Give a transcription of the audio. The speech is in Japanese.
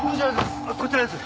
どちらです？